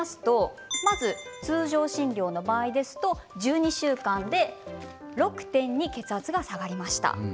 通常診療の場合ですと１２週間で６．２血圧が下がりました。